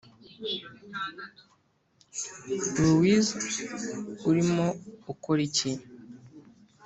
louise urimo ukora iki?